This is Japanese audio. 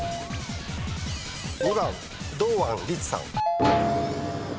２番堂安律さん。